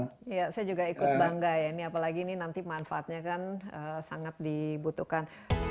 saya juga ikut bangga ya ini apalagi ini nanti manfaatnya kan sangat dibutuhkan